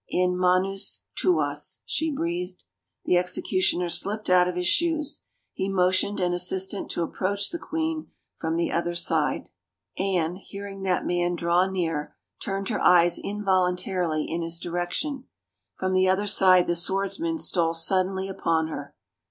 In menus tuas," she breathed. The executioner slipped out of his shoes. He mo tioned an assistant to approach the queen from the other side. Anne, hearing that man draw near, turned her eyes involuntarily in his direction. From the other side the swordsman stole suddenly upon her.